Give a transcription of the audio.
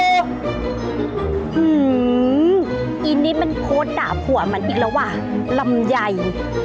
อินนี่มันโพสต์ด่าผัวมันอีกแล้วว่ะลำไย